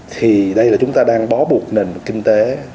thì đây là chúng ta đang bó buộc nền kinh tế